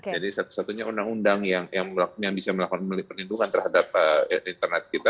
satu satunya undang undang yang bisa melakukan perlindungan terhadap internet kita